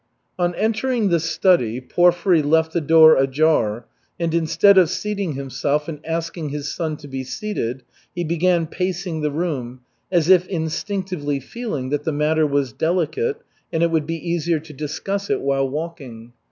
On entering the study, Porfiry left the door ajar and instead of seating himself and asking his son to be seated, he began pacing the room, as if instinctively feeling that the matter was delicate and it would be easier to discuss it while walking.